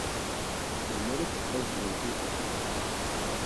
Zemrent ad sgunfunt da.